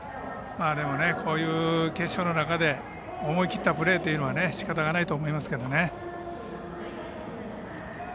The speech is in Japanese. でもねこういう決勝の中で思い切ったプレーというのはしかたがないと思いますけどね。